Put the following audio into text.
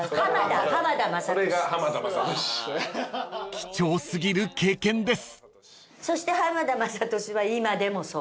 ［貴重過ぎる経験です］